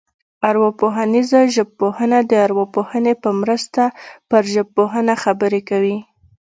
ارواپوهنیزه ژبپوهنه د ارواپوهنې په مرسته پر ژبپوهنه خبرې کوي